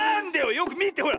⁉よくみてほら。